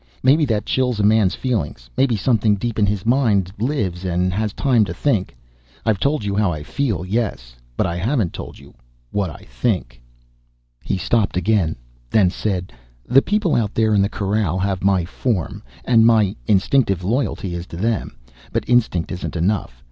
Maybe that chills a man's feelings, maybe something deep in his mind lives and has time to think. I've told you how I feel, yes. But I haven't told you what I think " He stopped again, then said, "The people out there in the corral have my form, and my instinctive loyalty is to them. But instinct isn't enough.